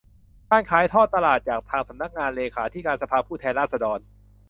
การขายทอดตลาดจากทางสำนักงานเลขาธิการสภาผู้แทนราษฎร